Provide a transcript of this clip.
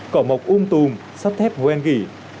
cỏ mọc ung tùm sắp thép hoen gỉ